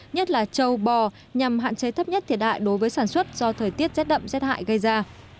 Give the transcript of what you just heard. nhất là châu bò nhằm hạn chế thấp nhất thiệt hại đối với sản xuất do thời tiết rét đậm rét hại gây ra